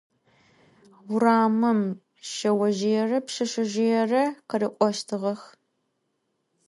Vuramım şseozjıêre pşseşsezjıêre khırık'oştığex.